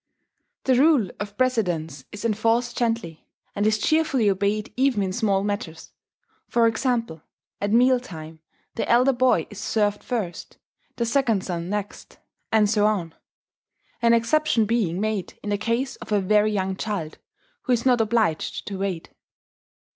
The rule of precedence is enforced gently, and is cheerfully obeyed even in small matters: for example, at meal time, the elder boy is served first, the second son next, and so on, an exception being made in the case of a very young child, who is not obliged to wait.